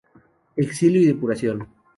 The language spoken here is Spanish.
Exilio y depuración.